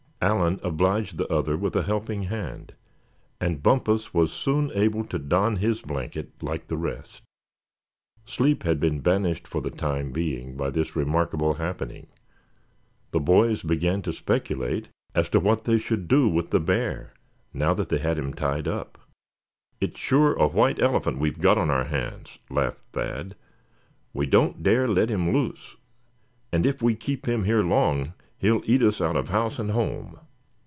Allan obliged the other with a helping hand, and Bumpus was soon able to don his blanket like the rest. Sleep had been banished for the time being, by this remarkable happening. The boys began to speculate as to what they should do with the bear, now that they had him tied up. "It's sure a white elephant we've got on our hands," laughed Thad. "We don't dare let him loose; and if we keep him here long, he'll eat us out of house and home."